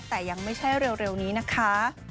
แต่ยังไม่ใช่เร็วนี้นะคะ